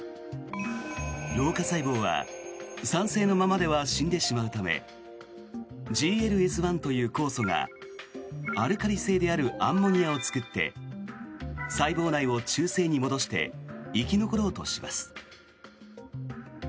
老化細胞は酸性のままでは死んでしまうためＧＬＳ１という酵素がアルカリ性であるアンモニアを作って細胞内を中性に戻して生き残ろうとします。